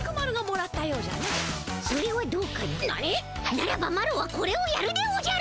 ならばマロはこれをやるでおじゃる。